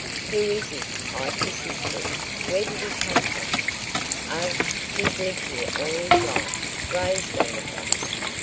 "Who is he?" I persisted. "Where did he come from?" "Oh, he's lived here all his life raised on the place.